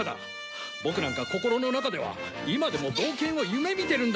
ボクなんか心の中では今でも冒険を夢見てるんだ！